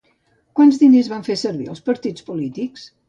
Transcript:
Quants diners van fer servir els partits polítics?